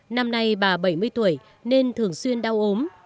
năm nay bà bảy mươi tuổi nên thường xuyên đau ốm